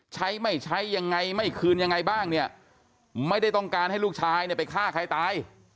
ใช้ไม่ใช้ยังไงไม่คืนยังไงบ้างเนี่ยไม่ได้ต้องการให้ลูกชายเนี่ยไปฆ่าใครตาย